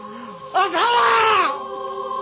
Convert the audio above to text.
浅輪！